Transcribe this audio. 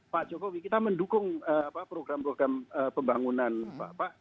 pak jokowi kita mendukung program program pembangunan pak